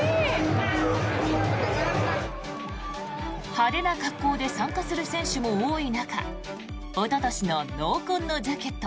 派手な格好で参加する選手も多い中おととしの濃紺のジャケット